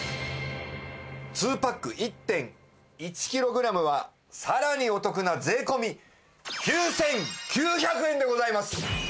２パック１．１キログラムはさらにお得な税込９９００円でございます！